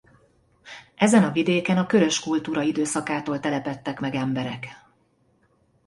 Ezen a vidéken a Körös kultúra időszakától telepedtek meg emberek.